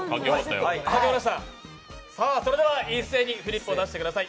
それでは一斉にフリップを出してください